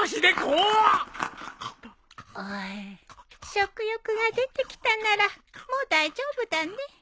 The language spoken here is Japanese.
食欲が出てきたならもう大丈夫だね。